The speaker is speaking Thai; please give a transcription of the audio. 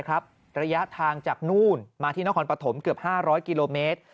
ระยะทางจากนู่นมาที่นครปฐมเกือบ๕๐๐กิโลเมตร